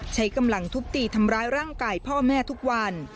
ใช้กำลังทุบตีทำร้ายร่างกายพ่อแม่ทุกวัน